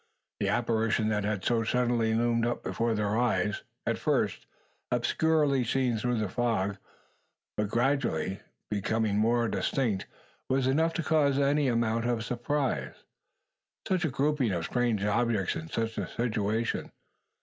The apparition that had so suddenly loomed up before their eyes, at first obscurely seen through the fog, but gradually becoming more distinct, was enough to cause any amount of surprise. Such a grouping of strange objects in such a situation!